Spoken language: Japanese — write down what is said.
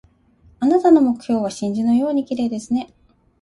あなたの目は真珠のように綺麗ですね